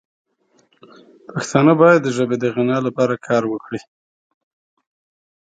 پښتانه باید د ژبې د غنا لپاره کار وکړي.